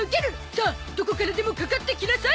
さあどこからでもかかってきなさい！